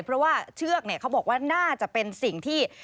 เพราะว่าเชือกเขาบอกว่าน่าจะเป็นสิ่งที่